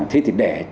thế thì để